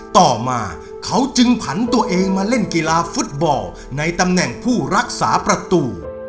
ต่อมาเขาจึงผันตัวเองมาเล่นกีฬาฟุตบอลในตำแหน่งผู้รักษาประตู